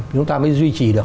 chúng ta mới duy trì được